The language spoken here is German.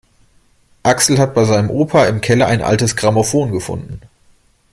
Axel hat bei seinem Opa im Keller ein altes Grammophon gefunden.